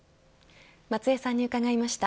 松江さんに伺いました。